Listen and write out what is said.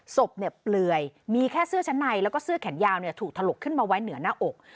ศพเนี่ยเปลือยมีแค่เสื้อชั้นในแล้วก็เสื้อแขนยาวถูกถลกขึ้นมาไว้เหนือหน้าอก